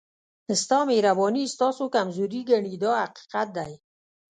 ستا مهرباني ستاسو کمزوري ګڼي دا حقیقت دی.